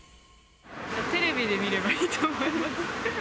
テレビで見ればいいと思います。